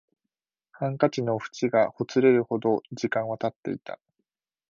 ハンカチの縁がほつれるほど時間は経っていた